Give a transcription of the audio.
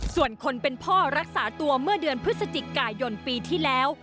ส่วนคนเป็นพ่อรักษาตัวเมื่อเดือนพฤศจิกายนปีที่แล้ว